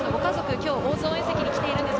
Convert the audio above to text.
今日は応援席に来ています。